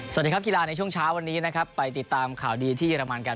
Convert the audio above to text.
สวัสดีครับกีฬาในช่วงเช้าวันนี้นะครับไปติดตามข่าวดีที่เรมันกัน